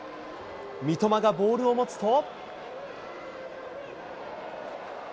三笘がボールを持つと。